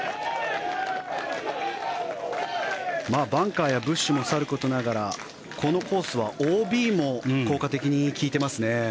バンカーやブッシュもさることながらこのコースはＯＢも効果的に効いていますね。